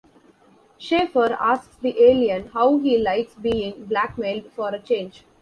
Shaeffer asks the alien how he likes being blackmailed for a change.